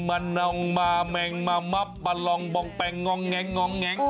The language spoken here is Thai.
มันเอามาแม่งมามับปะลองบองแปลงงองแงง